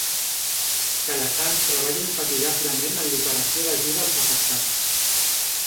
Calassanç treballa infatigablement en l'operació d'ajuda als afectats.